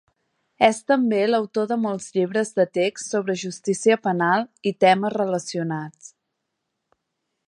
És també l'autor de molts llibres de text sobre justícia penal i temes relacionats.